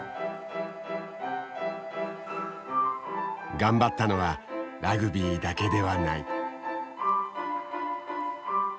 頑張ったのはラグビーだけではない。